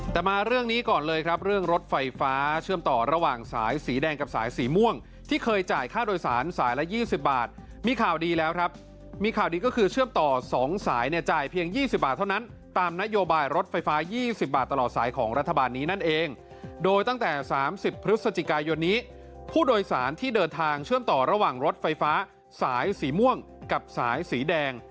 แต่มาเรื่องนี้ก่อนเลยครับเรื่องรถไฟฟ้าเชื่อมต่อระหว่างสายสีแดงกับสายสีม่วงที่เคยจ่ายค่าโดยสารสายละ๒๐บาทมีข่าวดีแล้วครับมีข่าวดีก็คือเชื่อมต่อ๒สายเนี่ยจ่ายเพียง๒๐บาทเท่านั้นตามนโยบายรถไฟฟ้า๒๐บาทตลอดสายของรัฐบาลนี้นั่นเองโดยตั้งแต่๓๐พฤศจิกายนนี้ผู้โดยสารที่เดินทางเชื่อมต่อระหว่างรถไฟฟ้าสายสีม่วงกับสายสีแดง